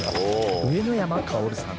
上野山馨さん。